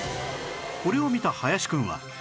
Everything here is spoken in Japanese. これを見た林くんは